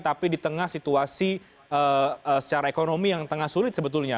tapi di tengah situasi secara ekonomi yang tengah sulit sebetulnya